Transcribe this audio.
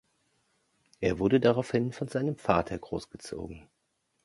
Er wurde daraufhin von seinem Vater großgezogen.